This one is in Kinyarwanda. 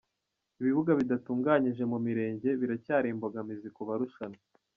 Ibibuga bidatunganyije mu mirenge biracyari imbogamizi ku barushanwa.